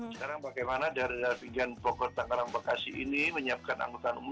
sekarang bagaimana dari pinggir bokor tenggerang bekasi ini menyiapkan angkutan umum